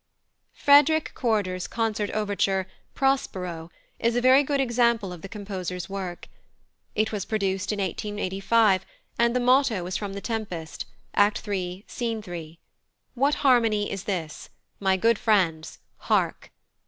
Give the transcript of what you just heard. +Frederick Corder's+ Concert Overture "Prospero" is a very good example of the composer's work. It was produced in 1885, and the motto is from The Tempest, Act iii., Scene 3: "What harmony is this? My good friends, hark!"